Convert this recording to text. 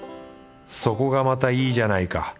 そこがまたいいじゃないか。